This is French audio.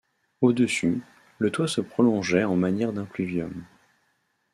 Au dessus, le toit se prolongeait en manière d’impluvium.